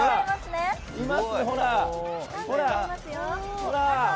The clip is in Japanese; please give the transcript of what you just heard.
ほら。